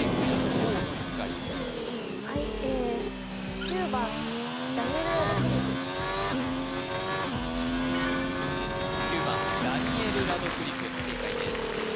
河野ゆかりはいえ９番ダニエル・ラドクリフ正解です